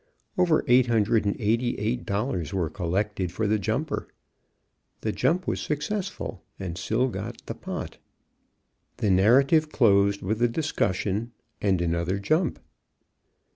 Over eight hundred and eighty eight dollars were collected for the jumper. The jump was successful, and Syl got the pot. The narrative closed with a discussion and another jump.